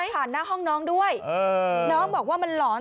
ผ่านหน้าห้องน้องด้วยน้องบอกว่ามันหลอน